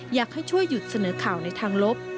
อยากให้ช่วยหยุดเสนอข่าวในทางลบ